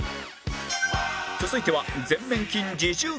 続いては